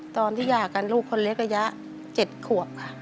ตอนที่หย่ากันลูกคนเล็กอายะเจ็ดขวบค่ะ